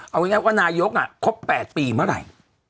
เอาง่ายว่านายกครบ๘ปีเมื่อไหร่